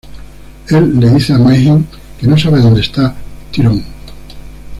Él le dice a Mayhem que no sabe dónde está Tyrone.